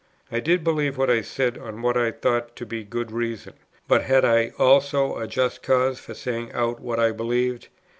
I did believe what I said on what I thought to be good reasons; but had I also a just cause for saying out what I believed?